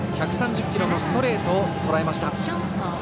１３０キロのストレートをとらえました。